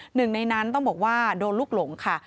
หนึ่งในนั้นต้องบอกว่าโดนลูกหลงค่ะ